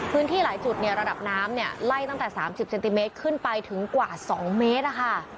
พื้นที่หลายจุดเนี่ยระดับน้ำเนี่ยไล่ตั้งแต่๓๐เซนติเมตรขึ้นไปถึงกว่า๒เมตรนะคะ